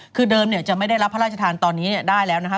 คือเดิมจะไม่ได้รับพระราชทานตอนนี้ได้แล้วนะคะ